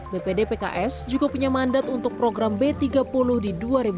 bpd pks juga punya mandat untuk program b tiga puluh di dua ribu dua puluh